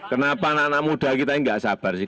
kenapa anak anak muda kita ini nggak sabar sih